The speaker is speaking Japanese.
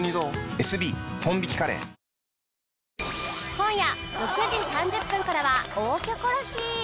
今夜６時３０分からは『大キョコロヒー』